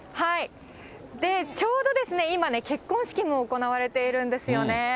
ちょうど今、結婚式も行われているんですよね。